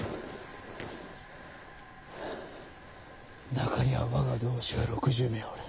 中には我が同志が６０名おる。